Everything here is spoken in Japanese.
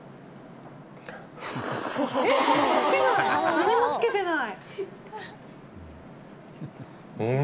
何もつけてない。